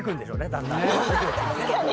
だんだん。